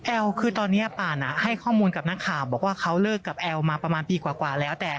คือตอนนี้ป่านให้ข้อมูลกับนักข่าวบอกว่าเขาเลิกกับแอลมาประมาณปีกว่าแล้วแต่